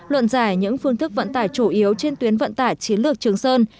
luận giải những phương thức vận tải chủ yếu trên tuyến vận tải chiến lược trường sơn